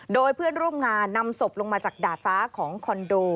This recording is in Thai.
โดยเพื่อนร่วมงานนำศพลงมาจากดาดฟ้าของคอนโด